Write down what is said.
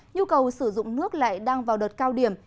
nhu cầu sử dụng nước lại đang vào đợt cao điểm